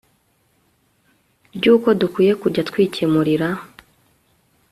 ry'uko dukwiye kujya twikemurira